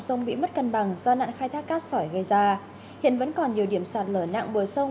sông bị mất cân bằng do nạn khai thác cát sỏi gây ra hiện vẫn còn nhiều điểm sạt lở nặng bờ sông